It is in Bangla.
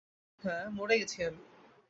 হ্যাঁ, মরে গেছি আমি।